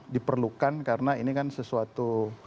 diperlukan karena ini kan sesuatu